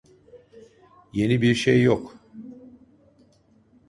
Yeni bir şey yok.